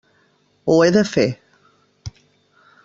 Ho he de fer.